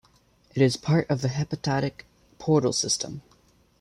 It is part of the hepatic portal system.